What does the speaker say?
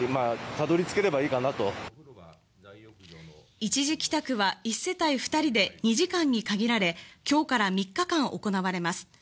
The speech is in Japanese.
一時帰宅は１世帯２人で２時間に限られ、今日から３日間行われます。